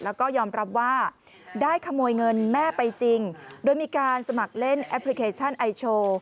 แล้วก็ยอมรับว่าได้ขโมยเงินแม่ไปจริงโดยมีการสมัครเล่นแอปพลิเคชันไอโชว์